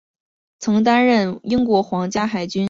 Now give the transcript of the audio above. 曾任英国皇家海军后备队中校。